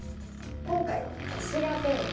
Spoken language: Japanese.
今回は消しがテーマですね。